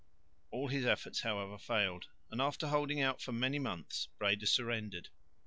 All his efforts however failed, and after holding out for many months Breda surrendered.